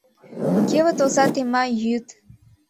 Кевыт оза тема, йӱыт.